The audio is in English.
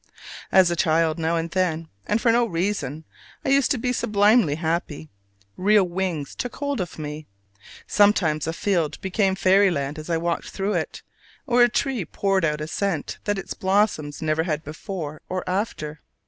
As a child, now and then, and for no reason, I used to be sublimely happy: real wings took hold of me. Sometimes a field became fairyland as I walked through it; or a tree poured out a scent that its blossoms never had before or after.